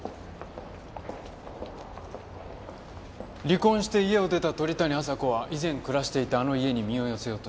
離婚して家を出た鳥谷亜沙子は以前暮らしていたあの家に身を寄せようとした。